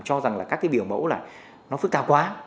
cho rằng là các cái biểu mẫu là nó phức tạp quá